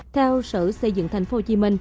theo sở xây dựng tp hcm